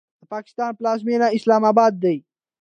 د پاکستان پلازمینه اسلام آباد ده.